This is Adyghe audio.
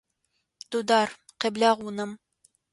Дудар, къеблагъ унэм!